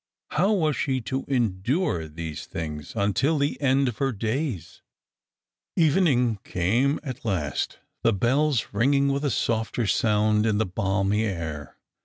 How was she to endure these things until the end of her days ? Evening came at last : the bells ringing with a soft^i sound in the balmy air.